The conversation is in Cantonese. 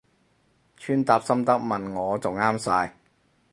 穿搭心得問我就啱晒